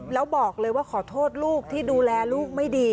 แล้วบอกเลยว่าขอโทษลูกที่ดูแลลูกไม่ดี